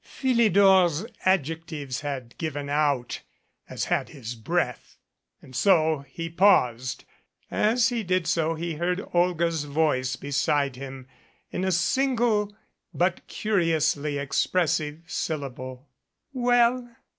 Philidor's adjectives had given out as had his breath and so he paused. As he did so he heard Olga's voice beside him in a single but curiously expressive syllable. "Well?"